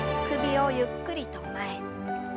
首をゆっくりと前へ。